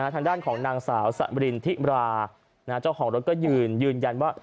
ทางด้านของนางสาวสมรินทิมราเจ้าของรถก็ยืนยันว่า